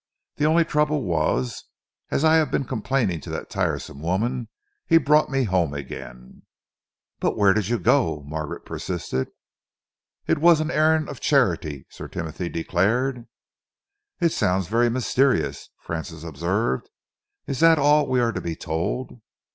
The only trouble was, as I have been complaining to that tiresome woman, he brought me home again." "But where did you go to?" Margaret persisted. "It was an errand of charity," Sir Timothy declared. "It sounds very mysterious," Francis observed. "Is that all we are to be told?"